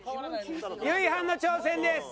ゆいはんの挑戦です！